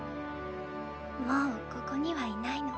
もうここにはいないの。